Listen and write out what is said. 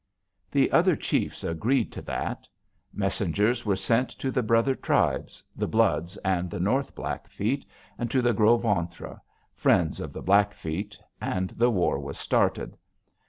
"The other chiefs agreed to that. Messengers were sent to the brother tribes, the Bloods and the North Blackfeet, and to the Gros Ventres, friends of the Blackfeet, and the war was started.